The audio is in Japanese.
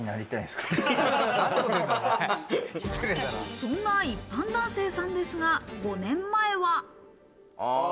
そんな一般男性さんですが、５年前は。